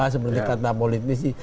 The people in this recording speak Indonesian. seperti kata politisi